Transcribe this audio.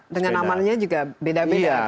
dengan amannya juga beda beda